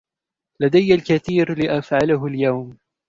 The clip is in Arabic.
لدي الكثير لأفعله اليوم.